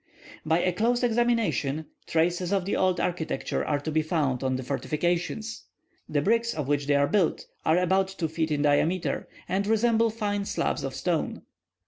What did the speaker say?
By a close examination, traces of the old architecture are to be found on the fortifications; the bricks of which they are built are about two feet in diameter, and resemble fine slabs of stone.